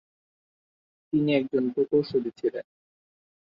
তিনি একজন প্রকৌশলী ছিলেন।